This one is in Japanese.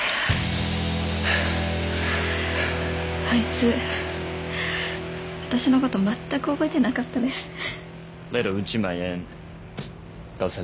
あいつ私のことまったく覚えてなかったです。